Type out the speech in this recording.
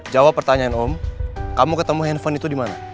jawab pertanyaan om kamu ketemu handphone itu di mana